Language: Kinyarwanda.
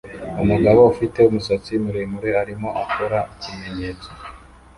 Umugabo ufite umusatsi muremure arimo akora ikimenyetso